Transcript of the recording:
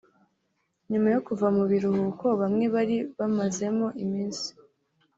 nyuma yo kuva mu biruhuko bamwe bari bamazemo iminsi